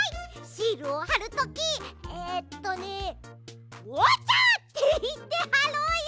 シールをはるときえっとね「オッチョ」っていってはろうよ。